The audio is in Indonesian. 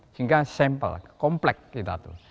sehingga sampel komplek kita tuh